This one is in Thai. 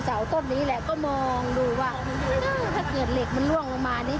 เสาต้นนี้แหละก็มองดูว่าถ้าเกิดเหล็กมันล่วงลงมานี่